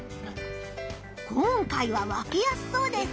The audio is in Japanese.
今回は分けやすそうです。